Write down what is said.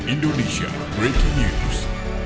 indonesia breaking news